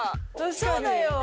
そうだよ